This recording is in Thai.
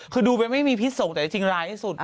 คือดูไปไม่มีพิษส่งแต่จริงร้ายที่สุด